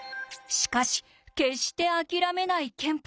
しかし決して諦めないケンプ。